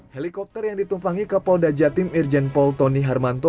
helikopter yang ditumpangi kapolda jatim irjen pol tony harmanto